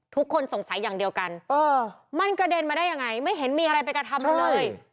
ทุกคนสงสัยอย่างเดียวกันมันกระเด็นมาได้ยังไงไม่เห็นมีอะไรไปกระทำเราเลย